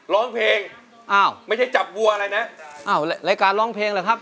ร้องเพลงอ้าวไม่ใช่จับวัวอะไรนะอ้าวรายการร้องเพลงเหรอครับ